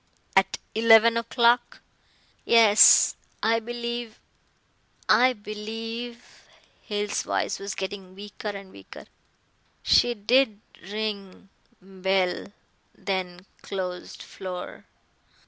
"At eleven o'clock?" "Yes, I believe I believe " Hale's voice was getting weaker and weaker. "She did ring bell then closed floor.